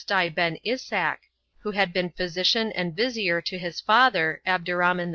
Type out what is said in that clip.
Hasdai ben Ishak, who had been physician and vizier to his father, Abderrhaman II.